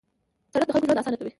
سړک د خلکو ژوند اسانه کوي.